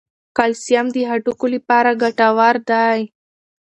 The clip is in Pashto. کلسیم د هډوکو لپاره ګټور دی.